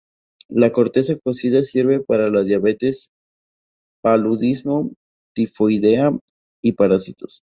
La corteza cocida sirve para la diabetes, paludismo, tifoidea y parásitos.